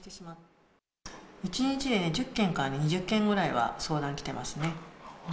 １日で１０件から２０件ぐらいは相談来てますね。